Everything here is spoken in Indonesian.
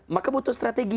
maka butuh strategi